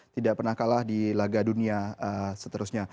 tidak pernah kalah di laga dunia seterusnya